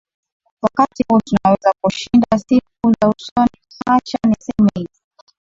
wakati huu tunaweza kushinda siku za usoni hacha niseme hivi